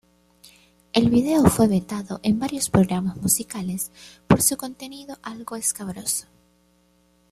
El vídeo fue vetado en varios programas musicales por su contenido algo escabroso.